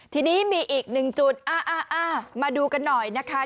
ทีนี้มีอีก๑จุดอะมาดูกันหน่อยนะคะ